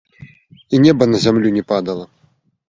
І неба на зямлю не падала.